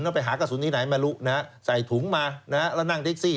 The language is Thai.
เอาไปหากระสุนนี้ไหนมารู้นะครับใส่ถุงมานะครับแล้วนั่งเด็กซี่